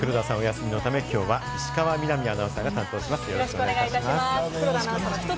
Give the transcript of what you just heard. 黒田さんはお休みのため、きょうは石川みなみアナウンサーが担当よろしくお願いします。